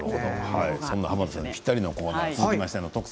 そんな濱田さんにぴったりのコーナー続いての「特選！